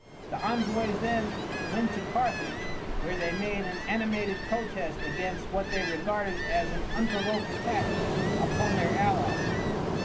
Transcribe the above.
The envoys then went to Carthage, where they made an animated protest against what they regarded as an unprovoked attack upon their allies.